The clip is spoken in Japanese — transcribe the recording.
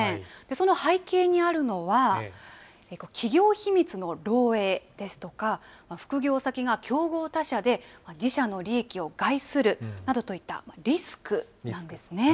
その背景にあるのは、企業秘密の漏えいですとか、副業先が競合他社で自社の利益を害するなどといったリスクなんですね。